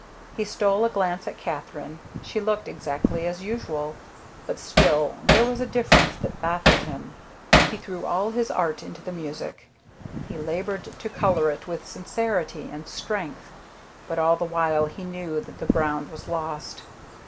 He stole a glance at Katherine. She looked exactly as usual, but still there was a difference that baffled him. He threw all his art into the music. He labored to color it with sincerity and strength. But all the while he knew that the ground was lost.